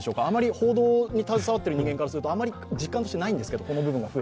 報道に携わっている人間としてあまり実感としてないんですけれども。